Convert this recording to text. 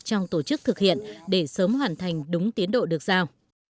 trong tổ chức thực hiện để sớm hoàn thành đúng tiến độ được giao